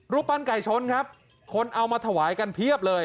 ปั้นไก่ชนครับคนเอามาถวายกันเพียบเลย